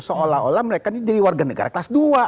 seolah olah mereka ini jadi warga negara kelas dua